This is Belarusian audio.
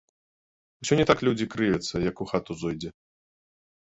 Усё не так людзі крывяцца, як у хату зойдзе.